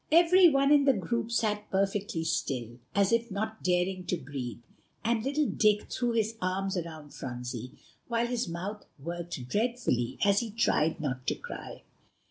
Every one in the group sat perfectly still, as if not daring to breathe; and little Dick threw his arms around Phronsie, while his mouth worked dreadfully as he tried not to cry.